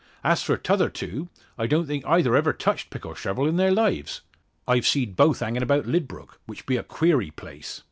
As for t'other two, I don't think eyther ever touch't pick or shovel in their lives. I've seed both hangin' about Lydbrook, which be a queery place.